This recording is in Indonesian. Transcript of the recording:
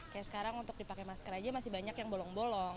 kayak sekarang untuk dipakai masker aja masih banyak yang bolong bolong